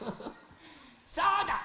そうだ！